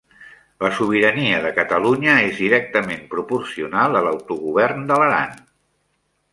La sobirania de Catalunya és directament proporcional a l'autogovern de l'Aran.